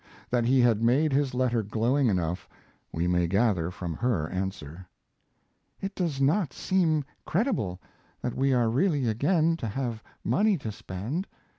That he had made his letter glowing enough, we may gather from her answer. It does not seem credible that we are really again to have money to spend.